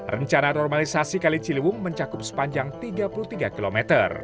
rencana normalisasi kali ciliwung mencakup sepanjang tiga puluh tiga km